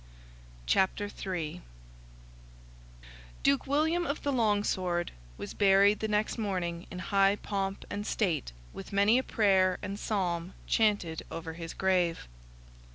CHAPTER III Duke William of the Long Sword was buried the next morning in high pomp and state, with many a prayer and psalm chanted over his grave.